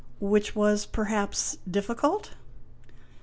" Which was, perhaps, difficult